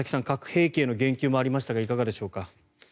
核兵器への言及もありましたがいかがでしょうか。